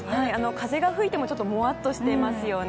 風が吹いてももわっとしていますね。